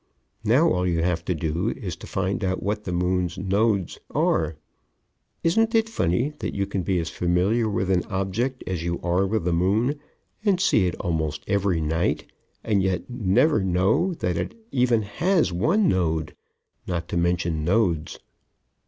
Now all you have to do is to find out what the moon's nodes are (isn't it funny that you can be as familiar with an object as you are with the moon and see it almost every night, and yet never know that it has even one node, not to mention nodes?)